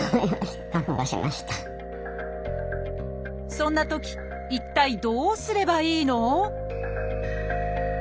そんなとき一体どうすればいいの？